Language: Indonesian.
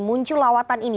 muncul lawatan ini